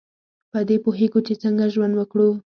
په دې پوهیږو چې څنګه ژوند وکړو.